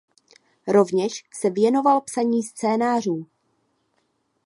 Rovněž se věnoval psaní scénářů.